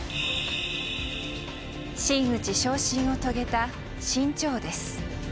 真打ち昇進を遂げた志ん朝です。